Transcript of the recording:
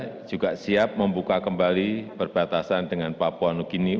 untuk itu indonesia juga siap membuka kembali perbatasan dengan papua new guinea